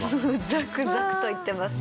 ザクザクといってますね。